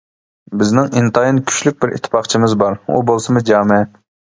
بىزنىڭ ئىنتايىن كۈچلۈك بىر ئىتتىپاقچىمىز بار: ئۇ بولسىمۇ جامە!